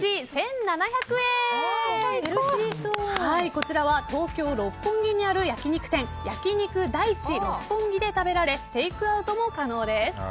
こちらは東京・六本木にある焼き肉店ヤキニクダイチロッポンギで食べられテイクアウトも可能です。